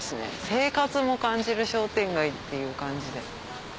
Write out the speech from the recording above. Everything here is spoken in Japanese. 生活も感じる商店街っていう感じで。